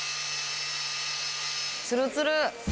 ツルツル。